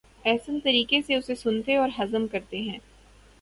احسن طریقے سے اسے سنتے اور ہضم کرتے ہیں۔